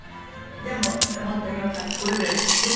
でも本当によかったです